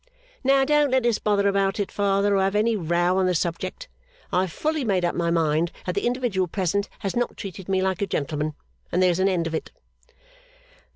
'Now, don't let us bother about it, father, or have any row on the subject. I have fully made up my mind that the individual present has not treated me like a gentleman. And there's an end of it.